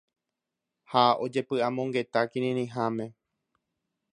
Ha ojepy'amongeta kirirĩháme.